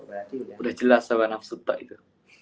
berarti udah jelas soal nafsu tak itu